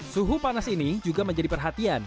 suhu panas ini juga menjadi perhatian